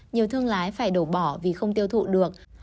nhiều thương lái phải đổ bỏ vì không tiêu thụ được